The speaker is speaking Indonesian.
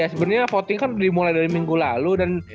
ya sebenernya voting kan dimulai dari minggu lalu